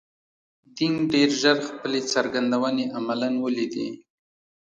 دینګ ډېر ژر خپلې څرګندونې عملاً ولیدې.